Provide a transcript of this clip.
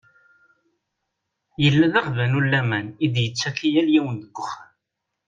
Yella d aɣbalu n laman i d-yettak i yal yiwen deg uxxam.